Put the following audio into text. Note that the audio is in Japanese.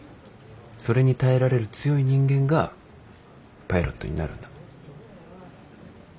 それに耐えられる強い人間がパイロットになるんだ。